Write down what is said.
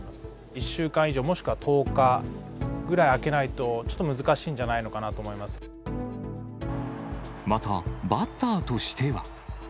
１週間以上、もしくは１０日ぐらい空けないと、ちょっと難しいんまた、バッターとしては。